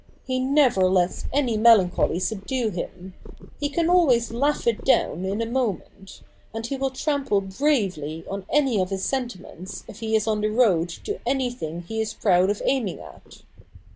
He never lets any melan choly subdue him. He can always laugh it down in a moment ; and he will trample bravely on any of his sentiments if he is on the road to anything he is proud of aiming at.'